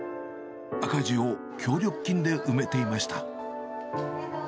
赤字を協力金で埋めていました。